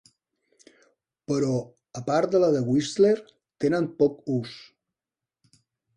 Però a part de la de Whistler, tenen poc ús.